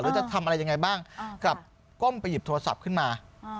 จะทำอะไรยังไงบ้างกลับก้มไปหยิบโทรศัพท์ขึ้นมา